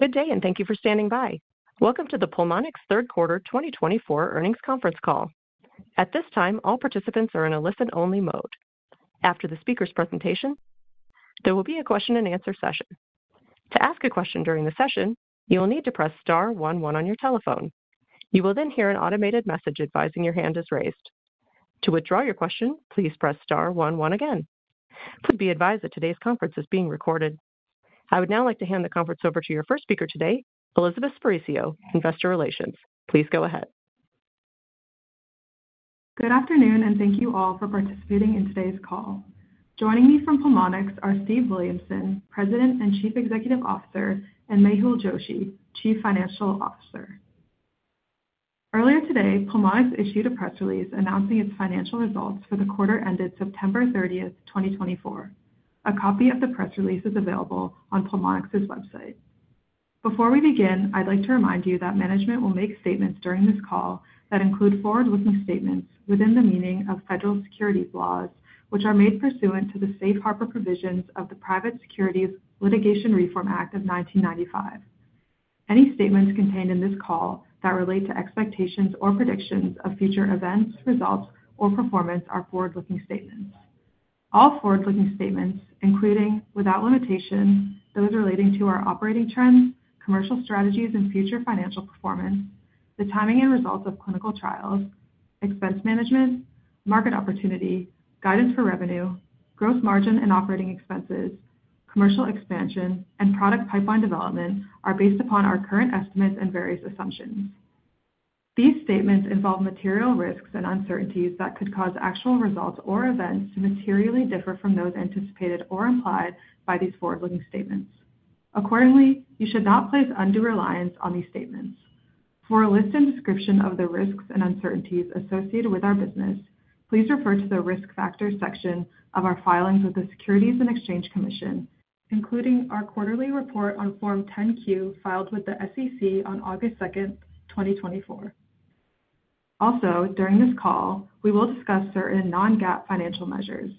Good day and thank you for standing by. Welcome to the Pulmonx Q3 2024 earnings conference call. At this time, all participants are in a listen-only mode. After the speaker's presentation, there will be a question-and-answer session. To ask a question during the session, you will need to press star one one on your telephone. You will then hear an automated message advising your hand is raised. To withdraw your question, please press star 11 again. Please be advised that today's conference is being recorded. I would now like to hand the conference over to your first speaker today, Elizabeth Sparacio, Investor Relations. Please go ahead. Good afternoon, and thank you all for participating in today's call. Joining me from Pulmonx are Steve Williamson, President and Chief Executive Officer, and Mehul Joshi, Chief Financial Officer. Earlier today, Pulmonx issued a press release announcing its financial results for the quarter ended September 30, 2024. A copy of the press release is available on Pulmonx's website. Before we begin, I'd like to remind you that management will make statements during this call that include forward-looking statements within the meaning of federal securities laws, which are made pursuant to the safe harbor provisions of the Private Securities Litigation Reform Act of 1995. Any statements contained in this call that relate to expectations or predictions of future events, results, or performance are forward-looking statements. All forward-looking statements, including without limitation, those relating to our operating trends, commercial strategies, and future financial performance, the timing and results of clinical trials, expense management, market opportunity, guidance for revenue, gross margin and operating expenses, commercial expansion, and product pipeline development are based upon our current estimates and various assumptions. These statements involve material risks and uncertainties that could cause actual results or events to materially differ from those anticipated or implied by these forward-looking statements. Accordingly, you should not place undue reliance on these statements. For a list and description of the risks and uncertainties associated with our business, please refer to the risk factor section of our filings with the Securities and Exchange Commission, including our quarterly report on Form 10-Q filed with the SEC on August 2, 2024. Also, during this call, we will discuss certain non-GAAP financial measures.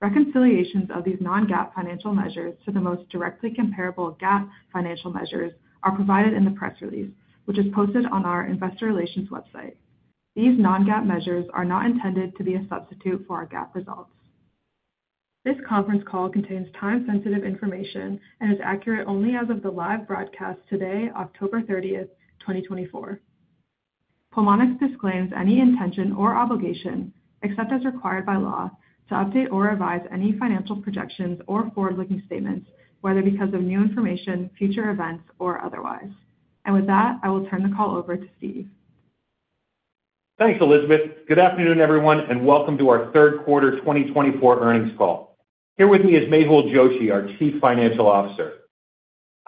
Reconciliations of these non-GAAP financial measures to the most directly comparable GAAP financial measures are provided in the press release, which is posted on our Investor Relations website. These non-GAAP measures are not intended to be a substitute for our GAAP results. This conference call contains time-sensitive information and is accurate only as of the live broadcast today, October 30, 2024. Pulmonx disclaims any intention or obligation, except as required by law, to update or revise any financial projections or forward-looking statements, whether because of new information, future events, or otherwise, and with that, I will turn the call over to Steve. Thanks, Elizabeth. Good afternoon, everyone, and welcome to our Q3 2024 earnings call. Here with me is Mehul Joshi, our Chief Financial Officer.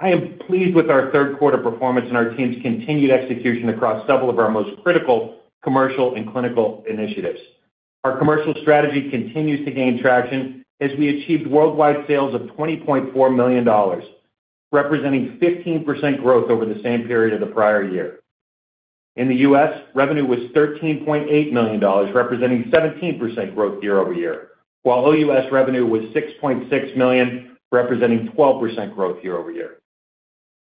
I am pleased with our Q3 performance and our team's continued execution across several of our most critical commercial and clinical initiatives. Our commercial strategy continues to gain traction as we achieved worldwide sales of $20.4 million, representing 15% growth over the same period of the prior year. In the US, revenue was $13.8 million, representing 17% growth year over year, while OUS revenue was $6.6 million, representing 12% growth year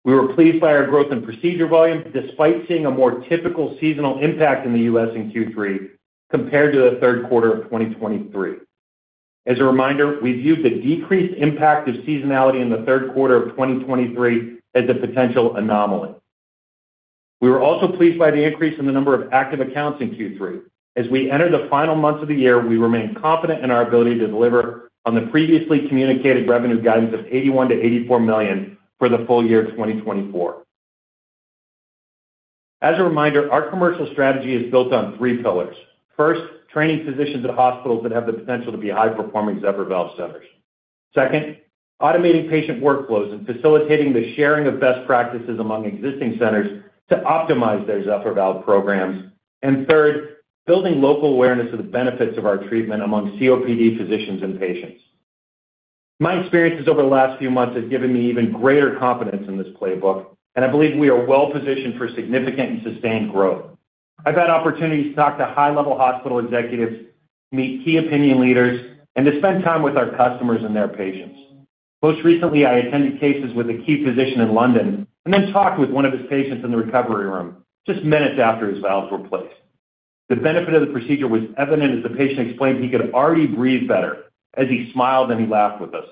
over year. We were pleased by our growth in procedure volume despite seeing a more typical seasonal impact in the US in Q3 compared to the Q3 of 2023. As a reminder, we viewed the decreased impact of seasonality in the Q3 of 2023 as a potential anomaly. We were also pleased by the increase in the number of active accounts in Q3. As we enter the final months of the year, we remain confident in our ability to deliver on the previously communicated revenue guidance of $81-$84 million for the full year of 2024. As a reminder, our commercial strategy is built on three pillars. First, training physicians at hospitals that have the potential to be high-performing Zephyr Valve centers. Second, automating patient workflows and facilitating the sharing of best practices among existing centers to optimize their Zephyr Valve programs. And third, building local awareness of the benefits of our treatment among COPD physicians and patients. My experiences over the last few months have given me even greater confidence in this playbook, and I believe we are well-positioned for significant and sustained growth. I've had opportunities to talk to high-level hospital executives, meet key opinion leaders, and to spend time with our customers and their patients. Most recently, I attended cases with a key physician in London and then talked with one of his patients in the recovery room just minutes after his valves were placed. The benefit of the procedure was evident as the patient explained he could already breathe better as he smiled and he laughed with us.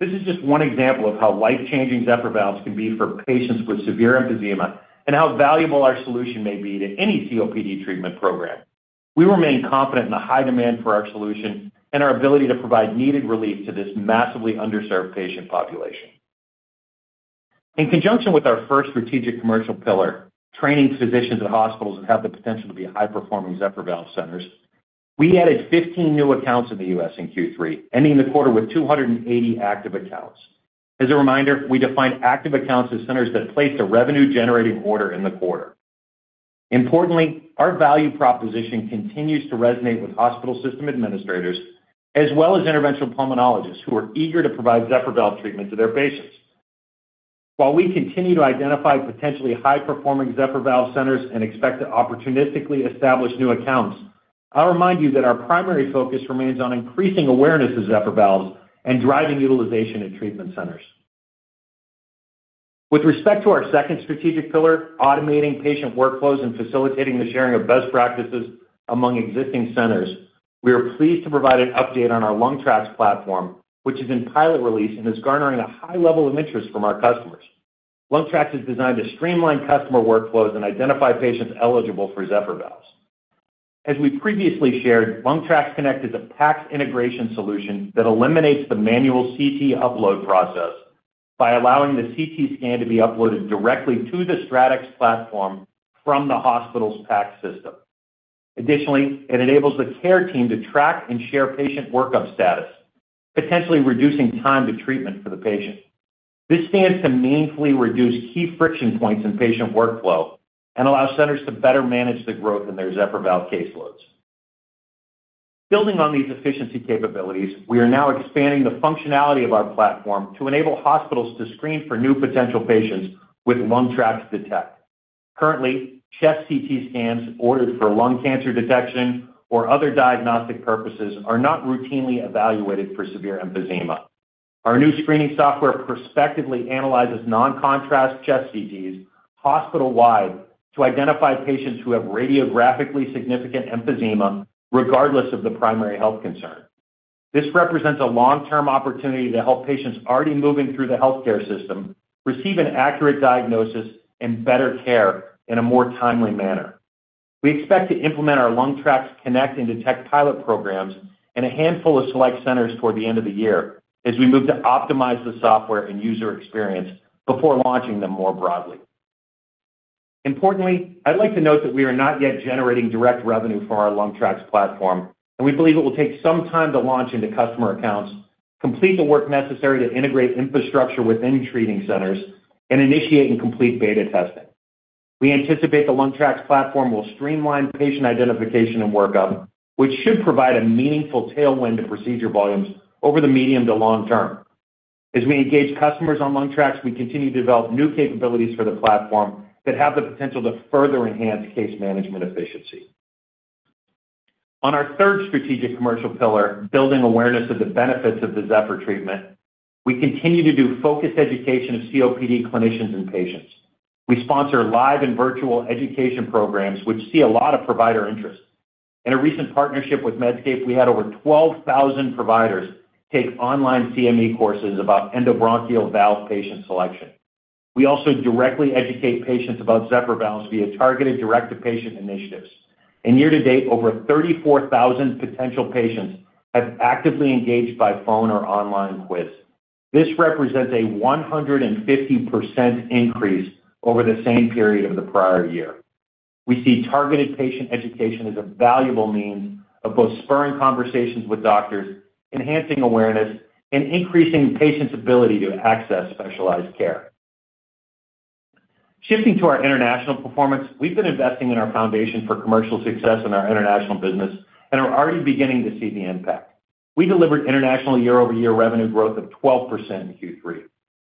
This is just one example of how life-changing Zephyr Valves can be for patients with severe emphysema and how valuable our solution may be to any COPD treatment program. We remain confident in the high demand for our solution and our ability to provide needed relief to this massively underserved patient population. In conjunction with our first strategic commercial pillar, training physicians at hospitals that have the potential to be high-performing Zephyr Valve centers, we added 15 new accounts in the U.S. in Q3, ending the quarter with 280 active accounts. As a reminder, we defined active accounts as centers that placed a revenue-generating order in the quarter. Importantly, our value proposition continues to resonate with hospital system administrators as well as interventional pulmonologists who are eager to provide Zephyr Valve treatment to their patients. While we continue to identify potentially high-performing Zephyr Valve centers and expect to opportunistically establish new accounts, I'll remind you that our primary focus remains on increasing awareness of Zephyr Valves and driving utilization at treatment centers. With respect to our second strategic pillar, automating patient workflows and facilitating the sharing of best practices among existing centers, we are pleased to provide an update on our LungTrax platform, which is in pilot release and is garnering a high level of interest from our customers. LungTrax is designed to streamline customer workflows and identify patients eligible for Zephyr Valves. As we previously shared, LungTrax Connect is a PACS integration solution that eliminates the manual CT upload process by allowing the CT scan to be uploaded directly to the StratX platform from the hospital's PACS system. Additionally, it enables the care team to track and share patient workup status, potentially reducing time to treatment for the patient. This stands to meaningfully reduce key friction points in patient workflow and allows centers to better manage the growth in their Zephyr Valve caseloads. Building on these efficiency capabilities, we are now expanding the functionality of our platform to enable hospitals to screen for new potential patients with LungTrax Detect. Currently, chest CT scans ordered for lung cancer detection or other diagnostic purposes are not routinely evaluated for severe emphysema. Our new screening software prospectively analyzes non-contrast chest CTs hospital-wide to identify patients who have radiographically significant emphysema regardless of the primary health concern. This represents a long-term opportunity to help patients already moving through the healthcare system receive an accurate diagnosis and better care in a more timely manner. We expect to implement our LungTrax Connect and Detect pilot programs and a handful of select centers toward the end of the year as we move to optimize the software and user experience before launching them more broadly. Importantly, I'd like to note that we are not yet generating direct revenue from our LungTrax platform, and we believe it will take some time to launch into customer accounts, complete the work necessary to integrate infrastructure within treating centers, and initiate and complete beta testing. We anticipate the LungTrax platform will streamline patient identification and workup, which should provide a meaningful tailwind to procedure volumes over the medium to long term. As we engage customers on LungTrax, we continue to develop new capabilities for the platform that have the potential to further enhance case management efficiency. On our third strategic commercial pillar, building awareness of the benefits of the Zephyr treatment, we continue to do focused education of COPD clinicians and patients. We sponsor live and virtual education programs, which see a lot of provider interest. In a recent partnership with Medscape, we had over 12,000 providers take online CME courses about endobronchial valve patient selection. We also directly educate patients about Zephyr Valves via targeted direct-to-patient initiatives. And year to date, over 34,000 potential patients have actively engaged by phone or online quiz. This represents a 150% increase over the same period of the prior year. We see targeted patient education as a valuable means of both spurring conversations with doctors, enhancing awareness, and increasing patients' ability to access specialized care. Shifting to our international performance, we've been investing in our foundation for commercial success in our international business and are already beginning to see the impact. We delivered international year-over-year revenue growth of 12% in Q3.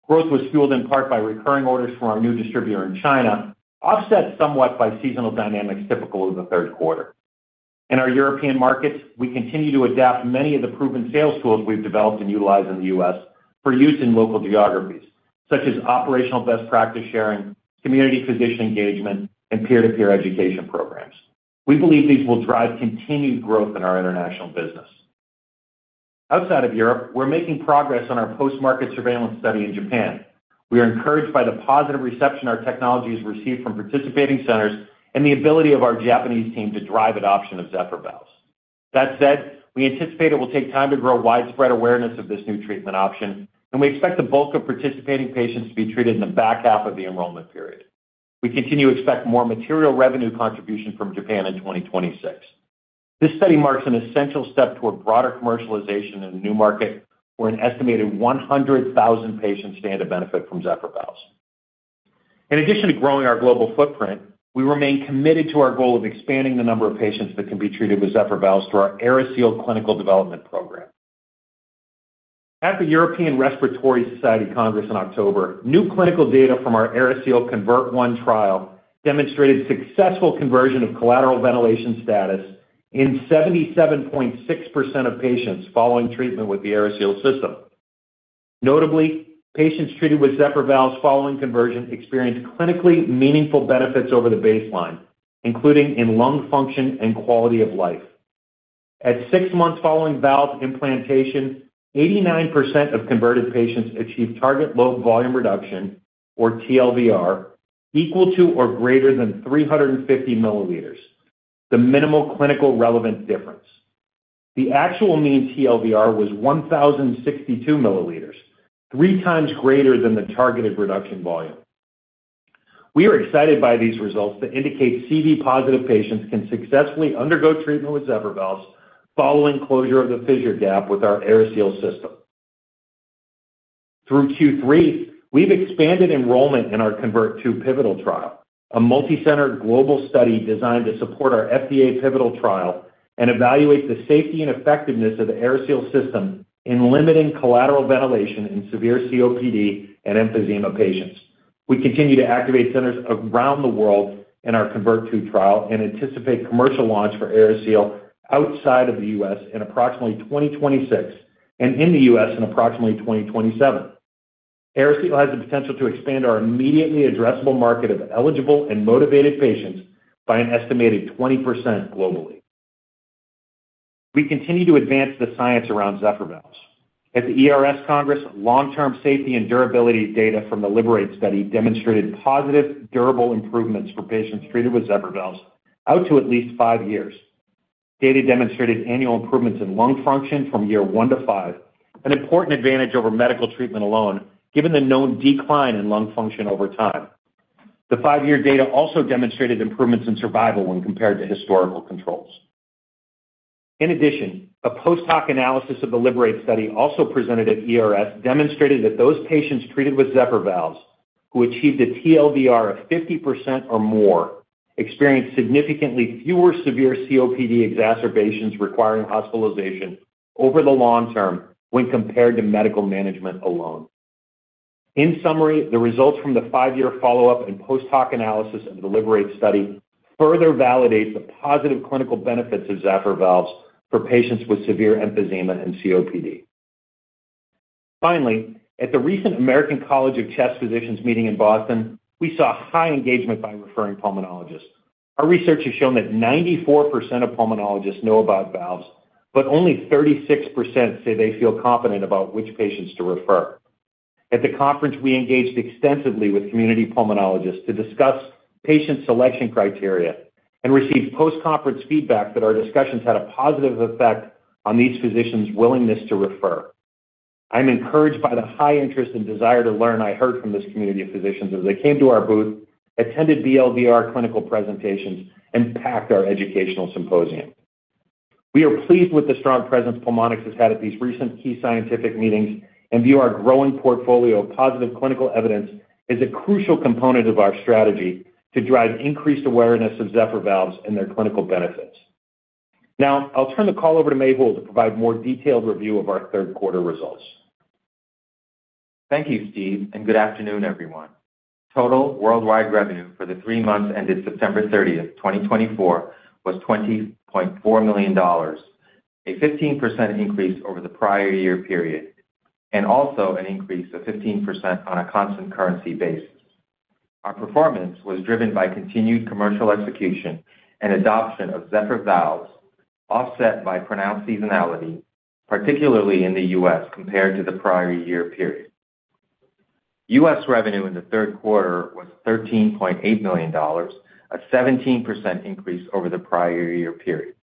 Growth was fueled in part by recurring orders from our new distributor in China, offset somewhat by seasonal dynamics typical of the Q3. In our European markets, we continue to adapt many of the proven sales tools we've developed and utilized in the U.S. for use in local geographies, such as operational best practice sharing, community physician engagement, and peer-to-peer education programs. We believe these will drive continued growth in our international business. Outside of Europe, we're making progress on our post-market surveillance study in Japan. We are encouraged by the positive reception our technology has received from participating centers and the ability of our Japanese team to drive adoption of Zephyr Valves. That said, we anticipate it will take time to grow widespread awareness of this new treatment option, and we expect the bulk of participating patients to be treated in the back half of the enrollment period. We continue to expect more material revenue contribution from Japan in 2026. This study marks an essential step toward broader commercialization in a new market where an estimated 100,000 patients stand to benefit from Zephyr Valves. In addition to growing our global footprint, we remain committed to our goal of expanding the number of patients that can be treated with Zephyr Valves through our AeriSeal clinical development program. At the European Respiratory Society Congress in October, new clinical data from our AeriSeal CONVERT I trial demonstrated successful conversion of collateral ventilation status in 77.6% of patients following treatment with the AeriSeal system. Notably, patients treated with Zephyr Valves following conversion experienced clinically meaningful benefits over the baseline, including in lung function and quality of life. At six months following valve implantation, 89% of converted patients achieved target lobe volume reduction, or TLVR, equal to or greater than 350 milliliters, the minimal clinically important difference. The actual mean TLVR was 1,062 milliliters, three times greater than the targeted reduction volume. We are excited by these results that indicate CV-positive patients can successfully undergo treatment with Zephyr Valves following closure of the fissure gap with our AeriSeal system. Through Q3, we've expanded enrollment in our CONVERT II Pivotal trial, a multi-center global study designed to support our FDA Pivotal trial and evaluate the safety and effectiveness of the AeriSeal system in limiting collateral ventilation in severe COPD and emphysema patients. We continue to activate centers around the world in our CONVERT II trial and anticipate commercial launch for AeriSeal outside of the US in approximately 2026 and in the US in approximately 2027. AeriSeal has the potential to expand our immediately addressable market of eligible and motivated patients by an estimated 20% globally. We continue to advance the science around Zephyr Valves. At the ERS Congress, long-term safety and durability data from the LIBERATE Study demonstrated positive, durable improvements for patients treated with Zephyr Valves out to at least five years. Data demonstrated annual improvements in lung function from year one to five, an important advantage over medical treatment alone, given the known decline in lung function over time. The five-year data also demonstrated improvements in survival when compared to historical controls. In addition, a post-hoc analysis of the LIBERATE Study also presented at ERS demonstrated that those patients treated with Zephyr Valves who achieved a TLVR of 50% or more experienced significantly fewer severe COPD exacerbations requiring hospitalization over the long term when compared to medical management alone. In summary, the results from the five-year follow-up and post-hoc analysis of the LIBERATE Study further validate the positive clinical benefits of Zephyr Valves for patients with severe emphysema and COPD. Finally, at the recent American College of Chest Physicians meeting in Boston, we saw high engagement by referring pulmonologists. Our research has shown that 94% of pulmonologists know about valves, but only 36% say they feel confident about which patients to refer. At the conference, we engaged extensively with community pulmonologists to discuss patient selection criteria and received post-conference feedback that our discussions had a positive effect on these physicians' willingness to refer. I'm encouraged by the high interest and desire to learn I heard from this community of physicians as they came to our booth, attended BLVR clinical presentations, and packed our educational symposium. We are pleased with the strong presence Pulmonx has had at these recent key scientific meetings and view our growing portfolio of positive clinical evidence as a crucial component of our strategy to drive increased awareness of Zephyr Valves and their clinical benefits. Now, I'll turn the call over to Mehul to provide more detailed review of our Q3 results. Thank you, Steve, and good afternoon, everyone. Total worldwide revenue for the three months ended September 30, 2024, was $20.4 million, a 15% increase over the prior year period, and also an increase of 15% on a constant currency basis. Our performance was driven by continued commercial execution and adoption of Zephyr Valves, offset by pronounced seasonality, particularly in the U.S. compared to the prior year period. U.S. revenue in the Q3 was $13.8 million, a 17% increase over the prior year period.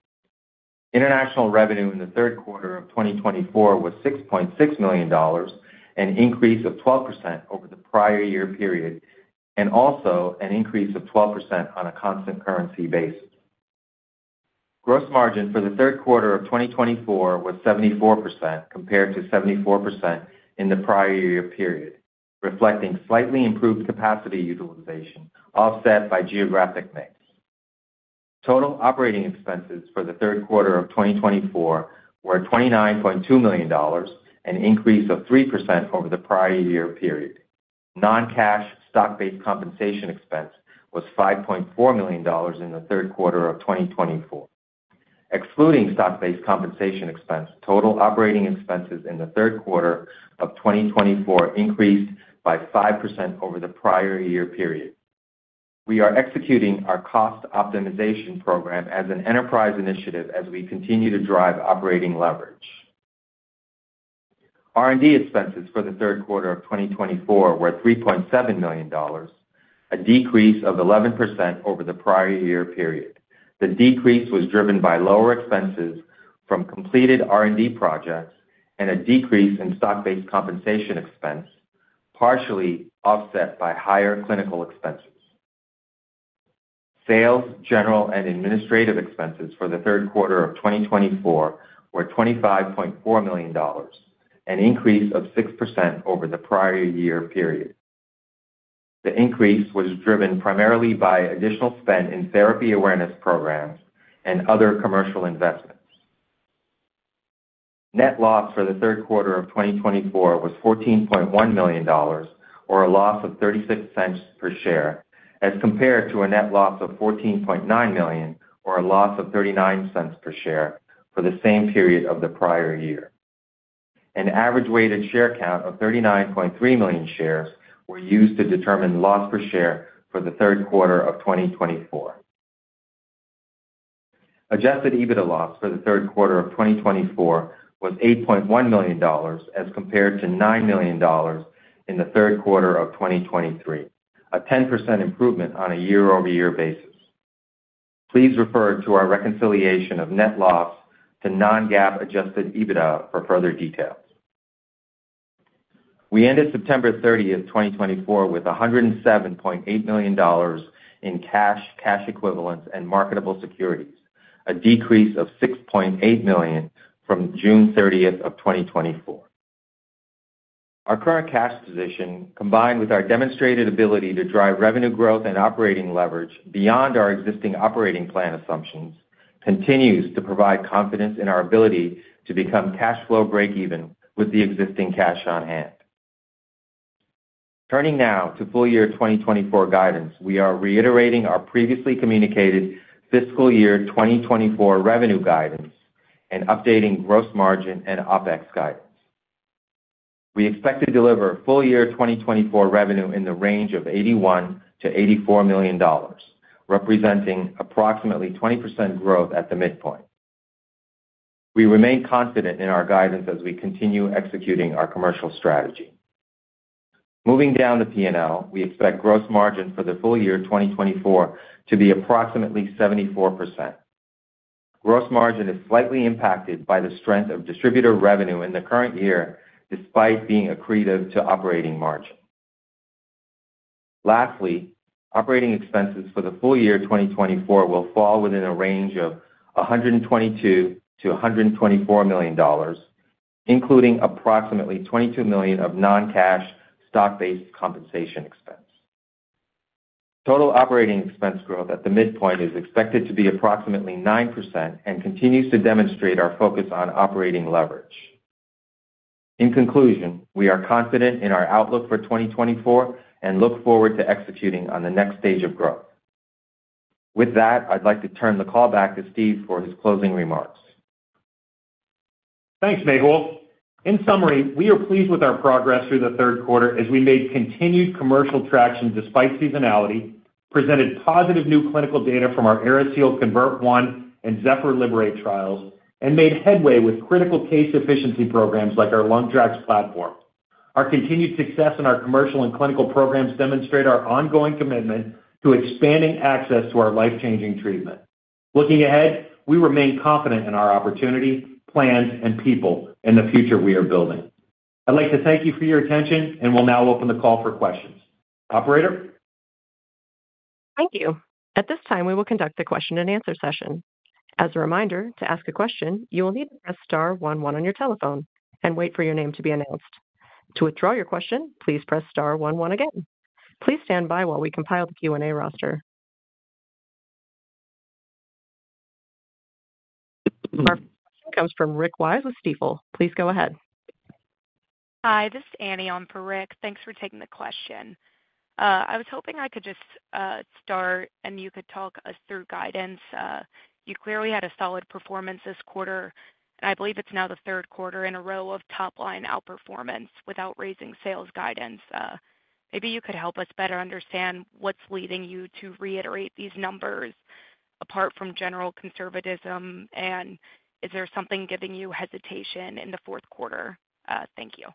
International revenue in the Q3 of 2024 was $6.6 million, an increase of 12% over the prior year period, and also an increase of 12% on a constant currency basis. Gross margin for the Q3 of 2024 was 74% compared to 74% in the prior year period, reflecting slightly improved capacity utilization, offset by geographic mix. Total operating expenses for the Q3 of 2024 were $29.2 million, an increase of 3% over the prior year period. Non-cash stock-based compensation expense was $5.4 million in the Q3 of 2024. Excluding stock-based compensation expense, total operating expenses in the Q3 of 2024 increased by 5% over the prior year period. We are executing our cost optimization program as an enterprise initiative as we continue to drive operating leverage. R&D expenses for the Q3 of 2024 were $3.7 million, a decrease of 11% over the prior year period. The decrease was driven by lower expenses from completed R&D projects and a decrease in stock-based compensation expense, partially offset by higher clinical expenses. Sales, general, and administrative expenses for the Q3 of 2024 were $25.4 million, an increase of 6% over the prior year period. The increase was driven primarily by additional spend in therapy awareness programs and other commercial investments. Net loss for the Q3 of 2024 was $14.1 million, or a loss of $0.36 per share, as compared to a net loss of $14.9 million, or a loss of $0.39 per share for the same period of the prior year. An average weighted share count of 39.3 million shares was used to determine loss per share for the Q3 of 2024. Adjusted EBITDA loss for the Q3 of 2024 was $8.1 million, as compared to $9 million in the Q3 of 2023, a 10% improvement on a year-over-year basis. Please refer to our reconciliation of net loss to non-GAAP adjusted EBITDA for further details. We ended September 30, 2024, with $107.8 million in cash, cash equivalents, and marketable securities, a decrease of $6.8 million from June 30, 2024. Our current cash position, combined with our demonstrated ability to drive revenue growth and operating leverage beyond our existing operating plan assumptions, continues to provide confidence in our ability to become cash flow break-even with the existing cash on hand. Turning now to full year 2024 guidance, we are reiterating our previously communicated fiscal year 2024 revenue guidance and updating gross margin and OpEx guidance. We expect to deliver full year 2024 revenue in the range of $81-$84 million, representing approximately 20% growth at the midpoint. We remain confident in our guidance as we continue executing our commercial strategy. Moving down the P&L, we expect gross margin for the full year 2024 to be approximately 74%. Gross margin is slightly impacted by the strength of distributor revenue in the current year, despite being accretive to operating margin. Lastly, operating expenses for the full year 2024 will fall within a range of $122-$124 million, including approximately $22 million of non-cash stock-based compensation expense. Total operating expense growth at the midpoint is expected to be approximately 9% and continues to demonstrate our focus on operating leverage. In conclusion, we are confident in our outlook for 2024 and look forward to executing on the next stage of growth. With that, I'd like to turn the call back to Steve for his closing remarks. Thanks, Mehul. In summary, we are pleased with our progress through the Q3 as we made continued commercial traction despite seasonality, presented positive new clinical data from our AeriSeal CONVERT I and Zephyr LIBERATE trials, and made headway with critical case efficiency programs like our LungTrax platform. Our continued success in our commercial and clinical programs demonstrates our ongoing commitment to expanding access to our life-changing treatment. Looking ahead, we remain confident in our opportunity, plans, and people and the future we are building. I'd like to thank you for your attention, and we'll now open the call for questions. Operator? Thank you. At this time, we will conduct the question-and-answer session. As a reminder, to ask a question, you will need to press star one one on your telephone and wait for your name to be announced. To withdraw your question, please press star one one again. Please stand by while we compile the Q&A roster. Our first question comes from Rick Wise with Stifel. Please go ahead. Hi, this is Annie. I'm for Rick. Thanks for taking the question. I was hoping I could just start and you could talk us through guidance. You clearly had a solid performance this quarter, and I believe it's now the third quarter in a row of top-line outperformance without raising sales guidance. Maybe you could help us better understand what's leading you to reiterate these numbers apart from general conservatism, and is there something giving you hesitation in the Q4? Thank you.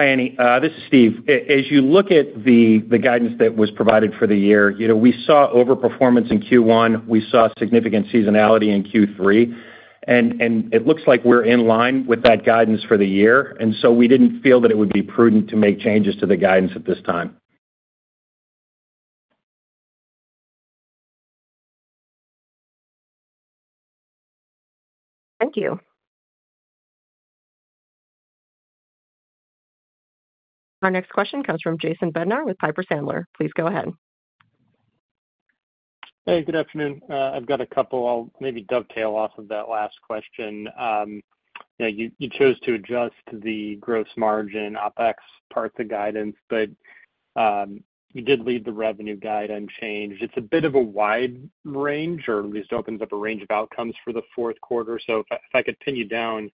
Hi, Annie. This is Steve. As you look at the guidance that was provided for the year, we saw overperformance in Q1. We saw significant seasonality in Q3. It looks like we're in line with that guidance for the year, and so we didn't feel that it would be prudent to make changes to the guidance at this time. Thank you. Our next question comes from Jason Bednar with Piper Sandler. Please go ahead. Hey, good afternoon. I've got a couple, I'll maybe dovetail off of that last question. You chose to adjust the gross margin, OpEx part of the guidance, but you did leave the revenue guide unchanged. It's a bit of a wide range, or at least opens up a range of outcomes for the Q4. So if I could pin you down,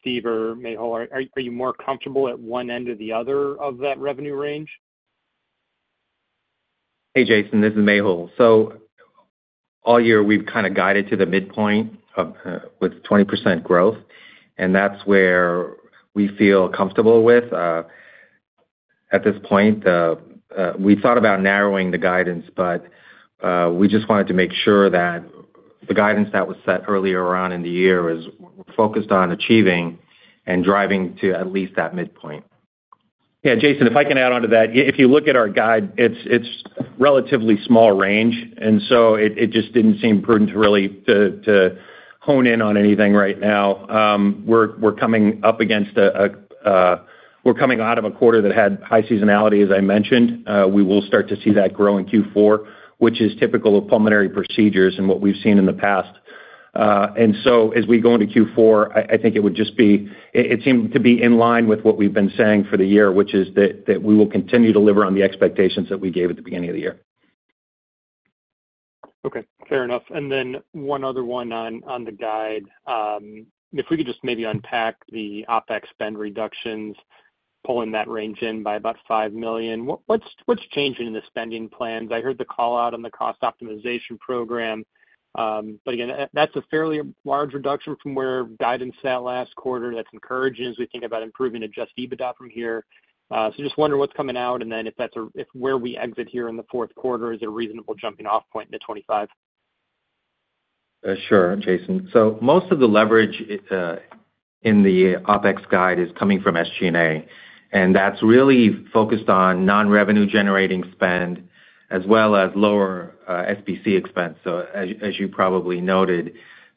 Steve or Mehul, are you more comfortable at one end or the other of that revenue range? Hey, Jason. This is Mehul. So all year, we've kind of guided to the midpoint with 20% growth, and that's where we feel comfortable with at this point. We thought about narrowing the guidance, but we just wanted to make sure that the guidance that was set earlier around in the year was focused on achieving and driving to at least that midpoint. Yeah, Jason, if I can add on to that, if you look at our guide, it's a relatively small range, and so it just didn't seem prudent to really hone in on anything right now. We're coming out of a quarter that had high seasonality, as I mentioned. We will start to see that grow in Q4, which is typical of pulmonary procedures and what we've seen in the past. And so as we go into Q4, I think it would just be, it seemed to be in line with what we've been saying for the year, which is that we will continue to deliver on the expectations that we gave at the beginning of the year. Okay. Fair enough. And then one other one on the guide. If we could just maybe unpack the OpEx spend reductions, pulling that range in by about $5 million. What's changing in the spending plans? I heard the call out on the cost optimization program, but again, that's a fairly large reduction from where guidance sat last quarter. That's encouraging as we think about improving adjusted EBITDA from here. So just wondering what's coming out, and then if that's where we exit here in the Q4, is it a reasonable jumping-off point into 2025? Sure, Jason. So, most of the leverage in the OpEx guide is coming from SG&A, and that's really focused on non-revenue-generating spend as well as lower SBC expense. So, as you probably noted,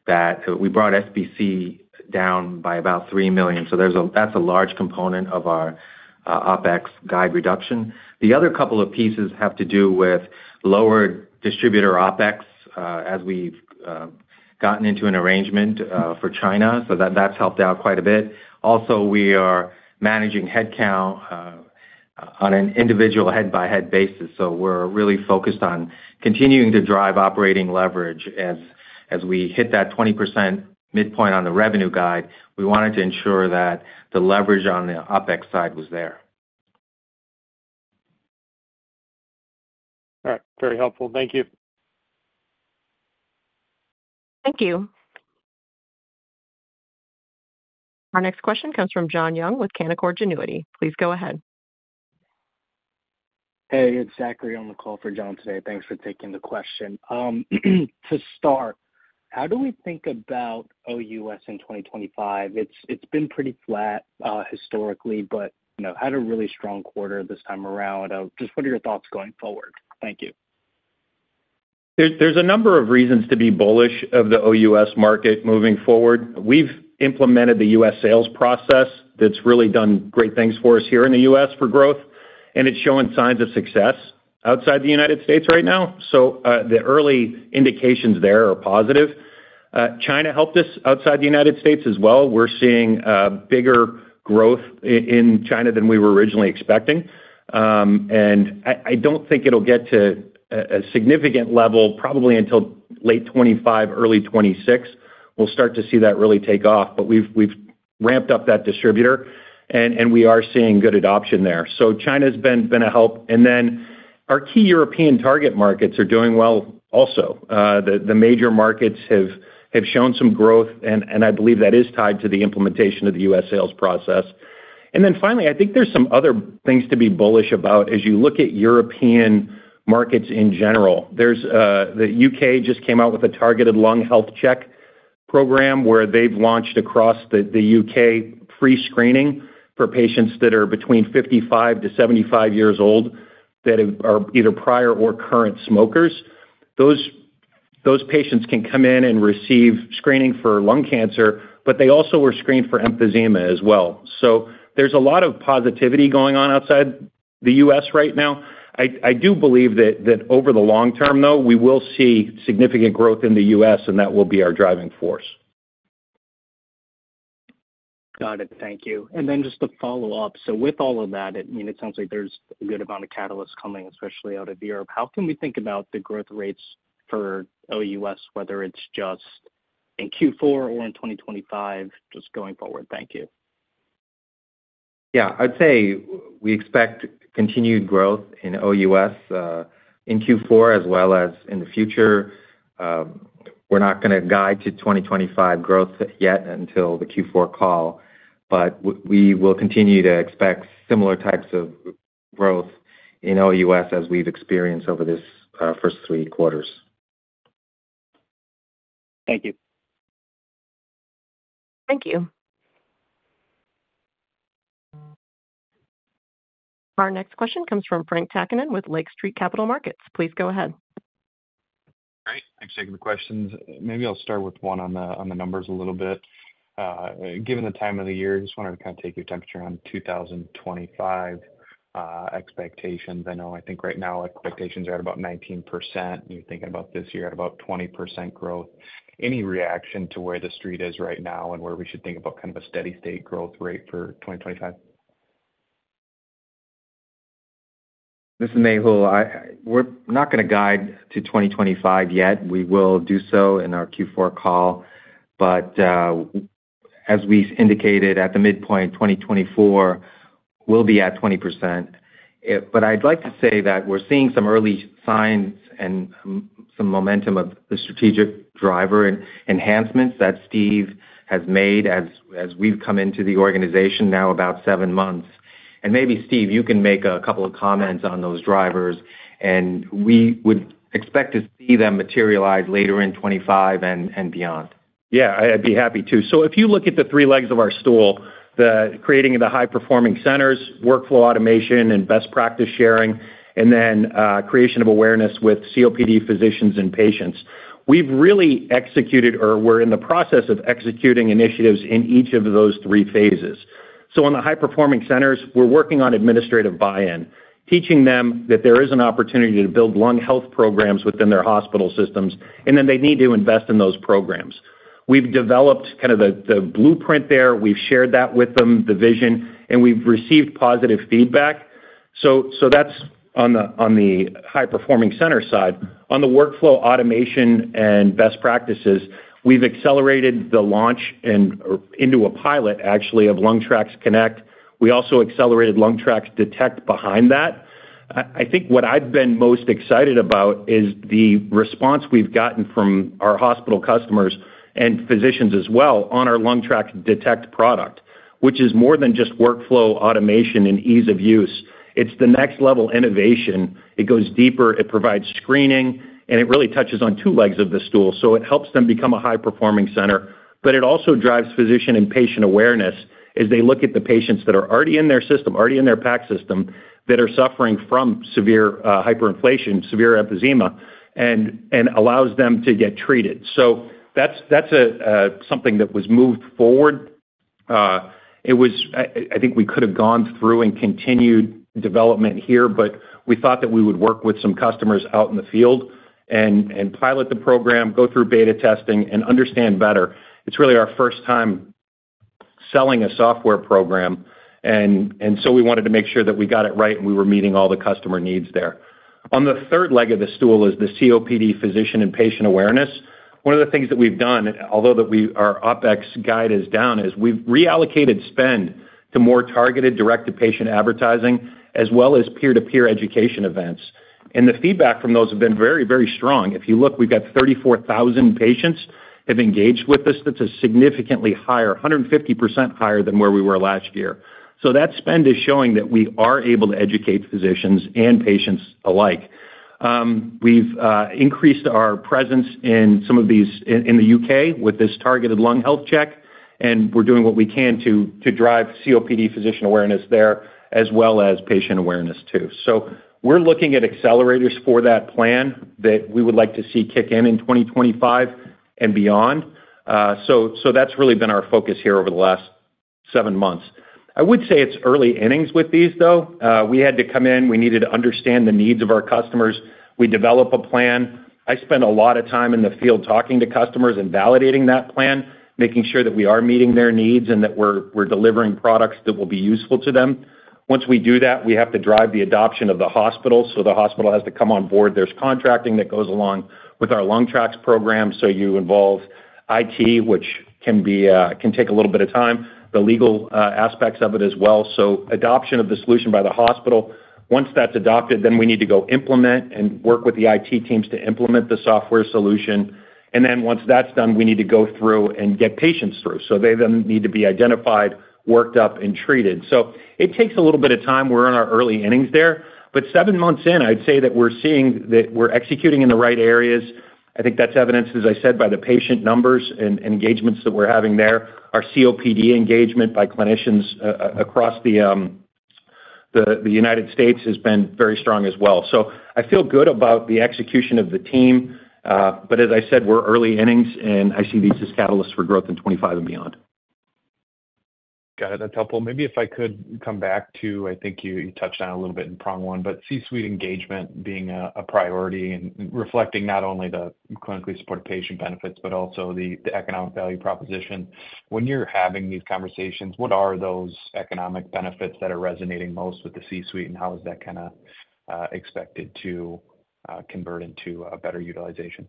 we brought SBC down by about $3 million. So that's a large component of our OpEx guide reduction. The other couple of pieces have to do with lower distributor OpEx as we've gotten into an arrangement for China. So that's helped out quite a bit. Also, we are managing headcount on an individual head-by-head basis. So, we're really focused on continuing to drive operating leverage. As we hit that 20% midpoint on the revenue guide, we wanted to ensure that the leverage on the OpEx side was there. All right. Very helpful. Thank you. Thank you. Our next question comes from John Young with Canaccord Genuity. Please go ahead. Hey, it's Zachary on the call for John today. Thanks for taking the question. To start, how do we think about OUS in 2025? It's been pretty flat historically, but had a really strong quarter this time around. Just what are your thoughts going forward? Thank you. There's a number of reasons to be bullish of the OUS market moving forward. We've implemented the U.S. sales process that's really done great things for us here in the U.S. for growth, and it's showing signs of success outside the United States right now. So the early indications there are positive. China helped us outside the United States as well. We're seeing bigger growth in China than we were originally expecting. And I don't think it'll get to a significant level probably until late 2025, early 2026. We'll start to see that really take off, but we've ramped up that distributor, and we are seeing good adoption there. So China's been a help. And then our key European target markets are doing well also. The major markets have shown some growth, and I believe that is tied to the implementation of the U.S. sales process. And then finally, I think there's some other things to be bullish about as you look at European markets in general. The U.K. just came out with a targeted lung health check program where they've launched across the U.K. free screening for patients that are between 55-75 years old that are either prior or current smokers. Those patients can come in and receive screening for lung cancer, but they also were screened for emphysema as well. So there's a lot of positivity going on outside the U.S. right now. I do believe that over the long term, though, we will see significant growth in the U.S., and that will be our driving force. Got it. Thank you. And then just to follow up, so with all of that, it sounds like there's a good amount of catalysts coming, especially out of Europe. How can we think about the growth rates for OUS, whether it's just in Q4 or in 2025, just going forward? Thank you. Yeah. I'd say we expect continued growth in OUS in Q4 as well as in the future. We're not going to guide to 2025 growth yet until the Q4 call, but we will continue to expect similar types of growth in OUS as we've experienced over this first three quarters. Thank you. Thank you. Our next question comes from Frank Takkinen with Lake Street Capital Markets. Please go ahead. Great. Thanks for taking the questions. Maybe I'll start with one on the numbers a little bit. Given the time of the year, I just wanted to kind of take your temperature on 2025 expectations. I know I think right now expectations are at about 19%. You're thinking about this year at about 20% growth. Any reaction to where the street is right now and where we should think about kind of a steady-state growth rate for 2025? This is Mehul. We're not going to guide to 2025 yet. We will do so in our Q4 call. But as we indicated at the midpoint, 2024 will be at 20%. But I'd like to say that we're seeing some early signs and some momentum of the strategic driver and enhancements that Steve has made as we've come into the organization now about seven months. And maybe, Steve, you can make a couple of comments on those drivers, and we would expect to see them materialize later in 2025 and beyond. Yeah, I'd be happy to. So if you look at the three legs of our stool, creating the high-performing centers, workflow automation, and best practice sharing, and then creation of awareness with COPD physicians and patients, we've really executed or we're in the process of executing initiatives in each of those three phases. So on the high-performing centers, we're working on administrative buy-in, teaching them that there is an opportunity to build lung health programs within their hospital systems, and then they need to invest in those programs. We've developed kind of the blueprint there. We've shared that with them, the vision, and we've received positive feedback. So that's on the high-performing center side. On the workflow automation and best practices, we've accelerated the launch into a pilot, actually, of LungTrax Connect. We also accelerated LungTrax Detect behind that. I think what I've been most excited about is the response we've gotten from our hospital customers and physicians as well on our LungTrax Detect product, which is more than just workflow automation and ease of use. It's the next-level innovation. It goes deeper. It provides screening, and it really touches on two legs of the stool. So it helps them become a high-performing center, but it also drives physician and patient awareness as they look at the patients that are already in their system, already in their PACS system, that are suffering from severe hyperinflation, severe emphysema, and allows them to get treated. So that's something that was moved forward. I think we could have gone through and continued development here, but we thought that we would work with some customers out in the field and pilot the program, go through beta testing, and understand better. It's really our first time selling a software program, and so we wanted to make sure that we got it right and we were meeting all the customer needs there. On the third leg of the stool is the COPD physician and patient awareness. One of the things that we've done, although our OpEx guide is down, is we've reallocated spend to more targeted direct-to-patient advertising as well as peer-to-peer education events, and the feedback from those has been very, very strong. If you look, we've got 34,000 patients who have engaged with us. That's a significantly higher, 150% higher than where we were last year. So that spend is showing that we are able to educate physicians and patients alike. We've increased our presence in some of these in the U.K. with this targeted lung health check, and we're doing what we can to drive COPD physician awareness there as well as patient awareness too. So we're looking at accelerators for that plan that we would like to see kick in in 2025 and beyond. So that's really been our focus here over the last seven months. I would say it's early innings with these, though. We had to come in. We needed to understand the needs of our customers. We develop a plan. I spent a lot of time in the field talking to customers and validating that plan, making sure that we are meeting their needs and that we're delivering products that will be useful to them. Once we do that, we have to drive the adoption of the hospital, so the hospital has to come on board. There's contracting that goes along with our LungTrax program, so you involve IT, which can take a little bit of time, the legal aspects of it as well. Adoption of the solution by the hospital, once that's adopted, then we need to go implement and work with the IT teams to implement the software solution, and then once that's done, we need to go through and get patients through, so they then need to be identified, worked up, and treated, so it takes a little bit of time. We're in our early innings there, but seven months in, I'd say that we're seeing that we're executing in the right areas. I think that's evidenced, as I said, by the patient numbers and engagements that we're having there. Our COPD engagement by clinicians across the United States has been very strong as well. So I feel good about the execution of the team. But as I said, we're early innings, and I see these as catalysts for growth in 2025 and beyond. Got it. That's helpful. Maybe if I could come back to, I think you touched on it a little bit in prong one, but C-suite engagement being a priority and reflecting not only the clinically supported patient benefits, but also the economic value proposition. When you're having these conversations, what are those economic benefits that are resonating most with the C-suite, and how is that kind of expected to convert into better utilization?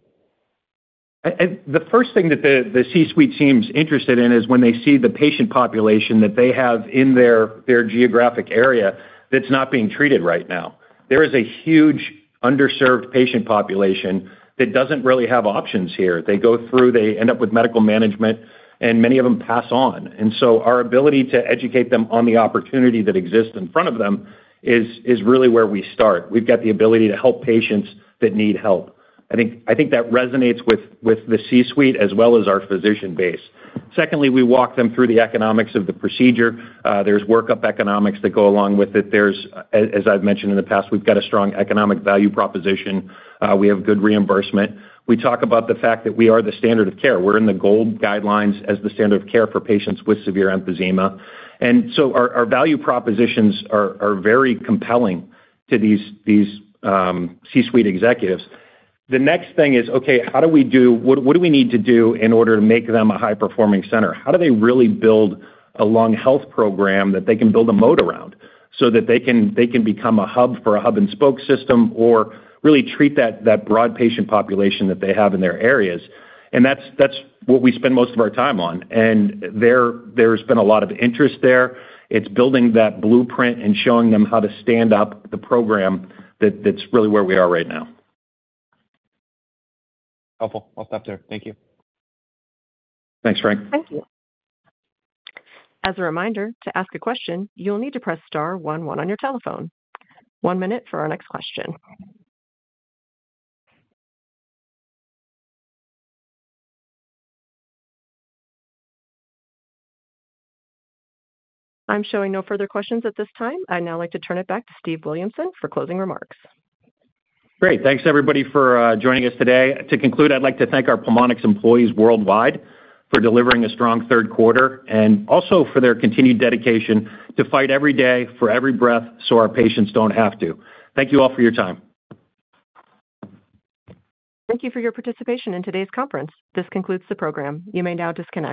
The first thing that the C-suite seems interested in is when they see the patient population that they have in their geographic area that's not being treated right now. There is a huge, underserved patient population that doesn't really have options here. They go through, they end up with medical management, and many of them pass on, and so our ability to educate them on the opportunity that exists in front of them is really where we start. We've got the ability to help patients that need help. I think that resonates with the C-suite as well as our physician base. Secondly, we walk them through the economics of the procedure. There's workup economics that go along with it. As I've mentioned in the past, we've got a strong economic value proposition. We have good reimbursement. We talk about the fact that we are the standard of care. We're in the GOLD guidelines as the standard of care for patients with severe emphysema, and so our value propositions are very compelling to these C-suite executives. The next thing is, okay, how do we do what do we need to do in order to make them a high-performing center? How do they really build a lung health program that they can build a moat around so that they can become a hub for a hub-and-spoke system or really treat that broad patient population that they have in their areas? That's what we spend most of our time on. There's been a lot of interest there. It's building that blueprint and showing them how to stand up the program. That's really where we are right now. Helpful. I'll stop there. Thank you. Thanks, Frank. Thank you. As a reminder, to ask a question, you'll need to press star 11 on your telephone. One minute for our next question. I'm showing no further questions at this time. I'd now like to turn it back to Steve Williamson for closing remarks. Great. Thanks, everybody, for joining us today. To conclude, I'd like to thank our Pulmonx employees worldwide for delivering a strong third quarter and also for their continued dedication to fight every day for every breath so our patients don't have to. Thank you all for your timeThank you for your participation in today's conference. This concludes the program. You may now disconnect.